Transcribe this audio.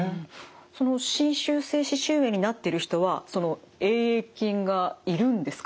その侵襲性歯周炎になっている人はそのＡ．ａ．菌がいるんですか？